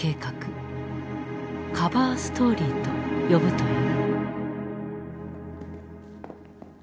「カバーストーリー」と呼ぶという。